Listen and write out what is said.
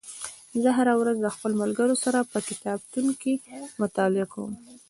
زه هره ورځ د خپلو ملګرو سره په کتابتون کې مطالعه کوم